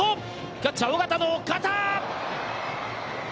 キャッチャー尾形の肩。